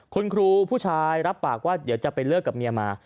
คุณครูผู้ชายรับปากว่าเดี๋ยวจะไปเลิกกับเมียมา